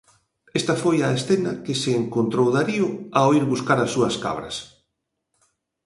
Esta foi a escena que se encontrou Darío ao ir buscar as súas cabras.